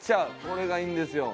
これがいいんですよ。